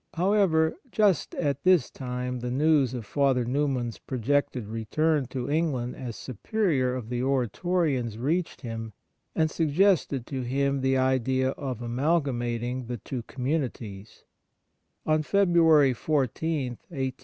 However, just at this time the news of Father Newman's projected return to England as Superior of the Oratorians reached him and suggested to him the idea of amalsfamatinc( the two Meijwir of Father Fahev 13 communities.